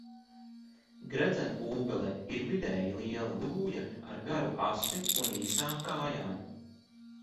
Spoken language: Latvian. Gredzenūbele ir vidēji liela dūja ar garu asti un īsām kājām.